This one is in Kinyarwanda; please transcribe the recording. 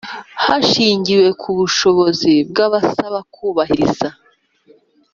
hashingiwe ku bushobozi bw abasaba kubahiriza